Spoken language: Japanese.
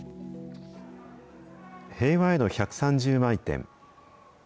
平和への１３０枚展。